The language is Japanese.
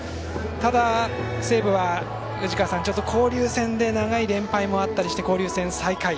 ただ、西武は交流戦で長い連敗もあったりして交流戦最下位。